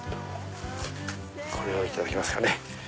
これをいただきますかね。